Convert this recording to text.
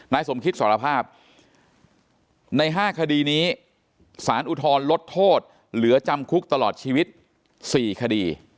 สมคิตสารภาพใน๕คดีนี้สารอุทธรณ์ลดโทษเหลือจำคุกตลอดชีวิต๔คดี